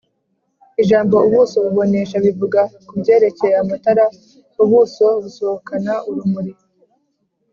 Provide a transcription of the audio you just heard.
ijambo’’ubuso bubonesha’’ bivuga ku byerekeye amatara, ubuso busohokana urumuri